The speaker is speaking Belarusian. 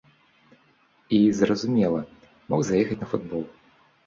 І, зразумела, мог заехаць на футбол.